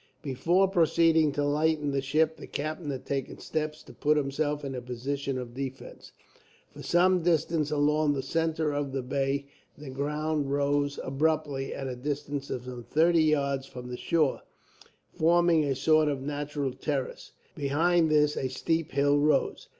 Before proceeding to lighten the ship, the captain had taken steps to put himself in a position of defence. For some distance along the centre of the bay the ground rose abruptly, at a distance of some thirty yards from the shore, forming a sort of natural terrace. Behind this a steep hill rose.